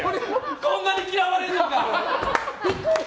こんなに嫌われるのか！